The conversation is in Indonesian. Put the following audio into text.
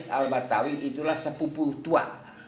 al batawi itulah sepupu tua